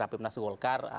api penas goldcar